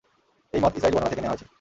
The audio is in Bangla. এই মত ইসরাঈলী বর্ণনা থেকে নেয়া হয়েছে।